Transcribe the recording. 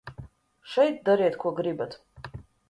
Šeit dariet, ko gribat.